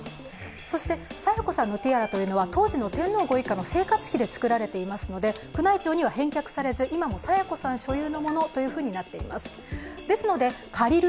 そして清子さんのティアラというのは当時の皇族の生活費で作られていますので、宮内庁には返却されず、今も清子さん所有のものということになっています。